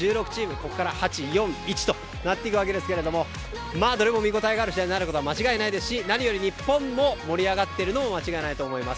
ここから８、４、１となっていくわけですがどれも見応えがある試合になること間違いないですし日本も盛り上がっているのも間違いないと思います。